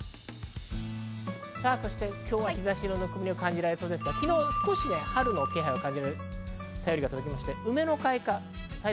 そして今日は日差しのぬくもりを感じられそうですが、昨日は春の気配を感じられる便りが届きました。